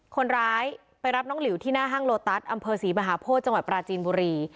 คนร้ายไปรับน้องหลิวที่หน้าห้างโลตัสอำเภอศรีมหาโพธิจังหวัดปราจีนบุรี